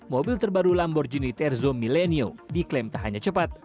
mobil terbaru lamborghini terzo millenio diklaim tak hanya cepat